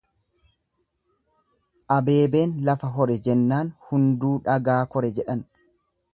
Abeebeen lafa hore jennaan hunduu dhagaa kore jedhan.